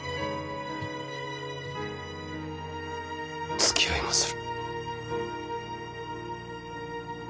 つきあいまする。